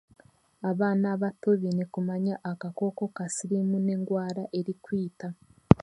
Abaana bato beine kumanya akakooko ka siriimu n'endwaara erikwita.